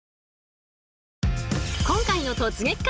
今回の「突撃！